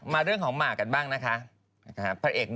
เรื่องของหมากกันบ้างนะคะ